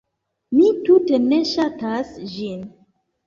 Mi tute ne ŝatas ĝin.